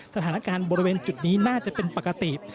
สถานการณ์บริเวณจุดนี้น่าจะเป็นปกติ